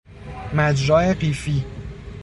مجرا قیفی